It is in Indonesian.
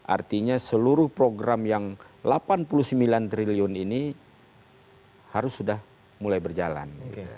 artinya seluruh program yang delapan puluh sembilan triliun ini harus sudah mulai berjalan